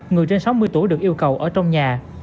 người trên sáu mươi tuổi được yêu cầu ở trong nhà